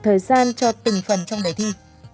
thời gian cho từng phần trong đề thi